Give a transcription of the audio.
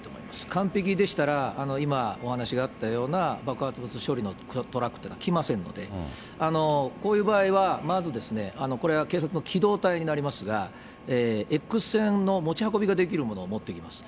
完璧でしたら、今、お話があったような爆発処理のトラックというのは来ませんので、こういう場合は、まずこれは警察の機動隊になりますが、エックス線の持ち運びができるものを持ってきます。